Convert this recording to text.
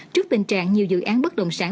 trước tình trạng nhiều dự án bất động sản